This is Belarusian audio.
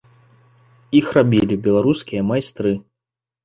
Іх рабілі беларускія майстры.